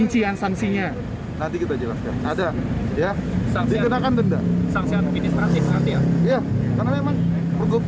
saksian klinis nanti ya